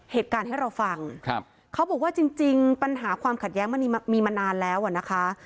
เหตุการณ์ให้เราฟังครับเขาบอกว่าจริงปัญหาความขัดแย้งมันมีมานานแล้วอ่ะนะคะ